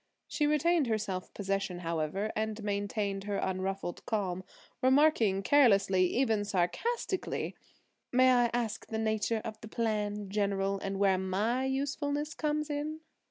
She retained her self possession, however, and maintained her unruffled calm, remarking carelessly, even sarcastically: "May I ask the nature of the plan, General, and where my usefulness comes in?"